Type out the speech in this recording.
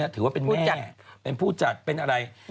ถือว่าเป็นผู้จัดเป็นผู้จัดเป็นอะไร